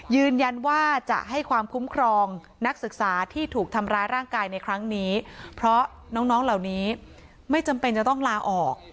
ยืนยันว่าจะให้ความคุ้มครองนักศึกษาที่ถูกทำร้ายร่างกายในครั้งนี้เพราะน้องเหล่านี้ไม่จำเป็นจะต้องลาออก